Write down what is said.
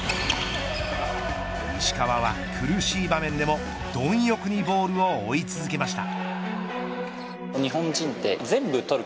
石川は苦しい場面でも貪欲にボールを追い続けました。